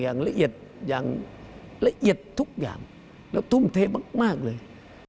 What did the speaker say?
อย่างละเอียดทุกอย่างแล้วทุ่มเทมากเลย